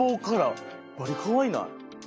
バリかわいない？